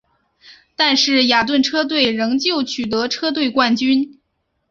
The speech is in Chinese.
但是雅顿车队仍旧取得车队冠军。